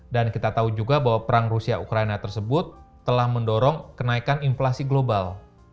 dan kita tahu juga bahwa perang rusia ukraina tersebut telah mendorong kenaikan inflasi global